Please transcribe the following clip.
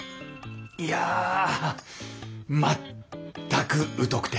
いや全く疎くて。